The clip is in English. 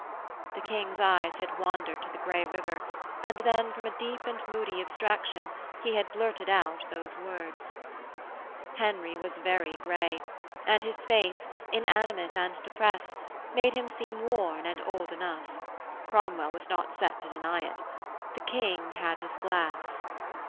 The King's eyes had wandered to the grey river, and then from a deep and moody abstraction he had blurted out those words. Henry was very grey, and his face, inanimate and depressed, made him seem worn and old enough. Cromwell was not set to deny it. The King had his glass....